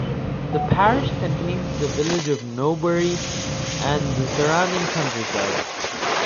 The parish contains the village of Norbury and the surrounding countryside.